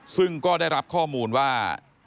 ซึ่งก็ได้รับข้อมูลว่า